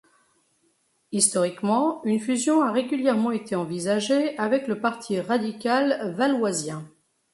Historiquement, une fusion a régulièrement été envisagée avec le parti radical valoisien.